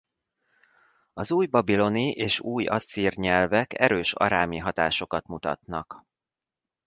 Az újbabiloni és újasszír nyelvek erős arámi hatásokat mutatnak.